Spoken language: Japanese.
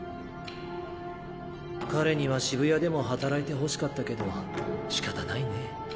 彼には渋谷でも働いてほしかったけどしかたないね。